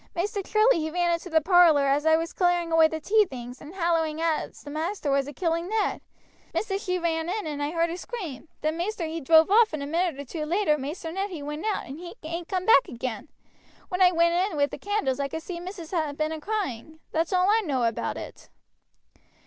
Maister Charlie he ran into the parlor as I was a clearing away the' tea things, hallowing out as maister was a killing Ned. Missis she ran in and I heard a scream, then maister he drove off, and a minute or two later Maister Ned he went out, and he ain't come back again. When I went in with the candles I could see missis had been a crying. That's all I know about it."